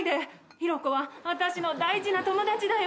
ヒロコは私の大事な友達だよ。